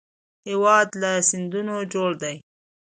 هېواد له سیندونو جوړ دی